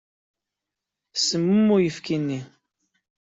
Semmum uyefki-nni.